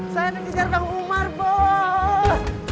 saya mau pijar bang umar bos